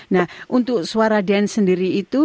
nah untuk suara dance sendiri itu